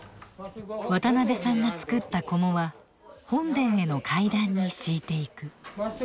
渡邉さんが作った菰は本殿への階段に敷いていく。